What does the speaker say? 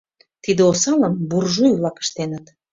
Тиде осалым буржуй-влак ыштеныт.